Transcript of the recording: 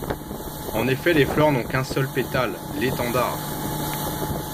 En effet les fleurs n'ont qu'un seul pétale, l'étendard.